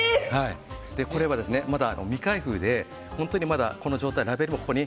これはまだ未開封でこの状態でラベルもここに。